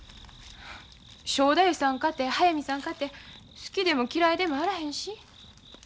正太夫さんかて速水さんかて好きでも嫌いでもあらへんし。